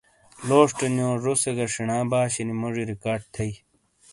لوشٹے نِیو زو سے گا شینا باشِینی موجی ریکارڈ تھیئی۔